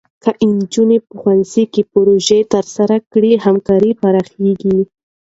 که نجونې په ښوونځي کې پروژې ترسره کړي، همکاري پراخېږي.